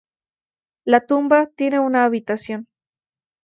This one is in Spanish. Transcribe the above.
La tumba tiene una habitación.